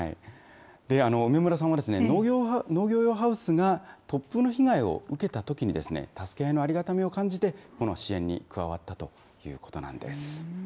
梅村さんは、農業用ハウスが突風の被害を受けたときに、助け合いのありがたみを感じて、この支援に加わったということなんです。